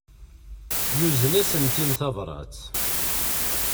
Yuzen-asent-in tabrat.